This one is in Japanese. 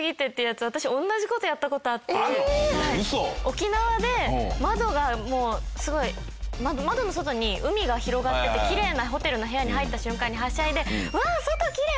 沖縄で窓がもうすごい窓の外に海が広がっててきれいなホテルの部屋に入った瞬間にはしゃいでうわあ外きれい！